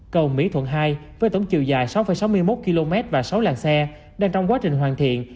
cầu mỹ thuận hai với tổng chiều dài sáu sáu mươi một km và sáu làng xe đang trong quá trình hoàn thiện